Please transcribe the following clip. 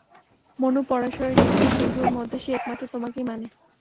মনু-পরাশরের নীচেই পৃথিবীর মধ্যে সে একমাত্র তোমাকেই মানে।